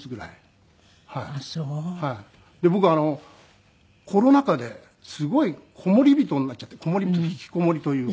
僕コロナ禍ですごいこもり人になっちゃってこもり人引きこもりというか。